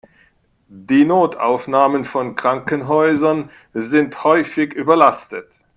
Die Notaufnahmen von Krankenhäusern sind häufig überlastet.